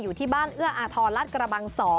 อยู่ที่บ้านเอื้ออาทรรัฐกระบัง๒